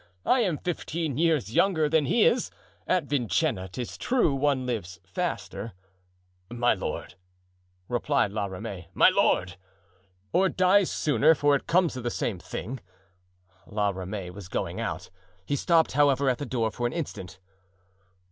I am fifteen years younger than he is. At Vincennes, 'tis true, one lives faster——" "My lord," replied La Ramee, "my lord——" "Or dies sooner, for it comes to the same thing." La Ramee was going out. He stopped, however, at the door for an instant.